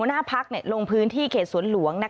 ของหน้าภักดิ์ร่มพื้นที่สวนหลวงนะคะ